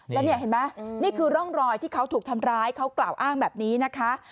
แล้วนี่เห็นไหมนี่คือร่องรอยที่เขาถูกทำร้ายเขากล่าวอ้างแบบนี้นะคะ